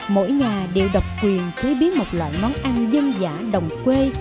mỗi nhà đều độc quyền chế biến một loại món ăn dân giả đồng quê